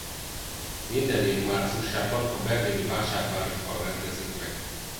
Minden év márciusában a berlini vásárvárosban rendezik meg.